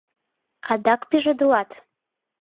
— Адак пижедылат!